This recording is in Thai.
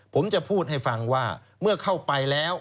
ผมจะพูดให้ฟังว่าเมื่อเข้าไปแล้ว